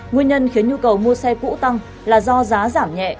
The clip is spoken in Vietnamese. nguyên nhân khiến nhu cầu mua xe cũ tăng là do giá giảm nhẹ